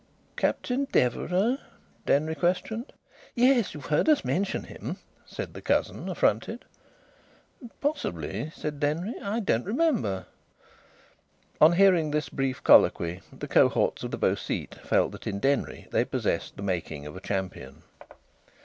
"Captain Deverax?" Denry questioned. "Yes. You've heard us mention him," said the cousin, affronted. "Possibly," said Denry. "I don't remember." On hearing this brief colloquy the cohorts of the Beau Site felt that in Denry they possessed the making of a champion.